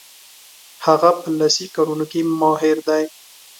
هغه په لاسي کارونو کې ماهر دی.